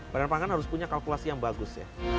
badan pangan harus punya kalkulasi yang bagus ya